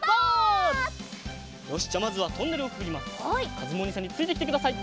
かずむおにいさんについてきてください。